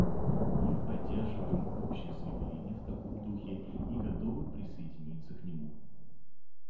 Мы поддерживаем общее заявление в таком духе и готовы присоединиться к нему.